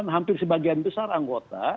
hampir sebagian besar anggota